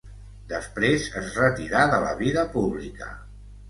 Després es retirà de la vida pública.